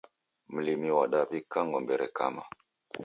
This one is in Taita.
Mlimi wadaw'ika ng'ombe rekama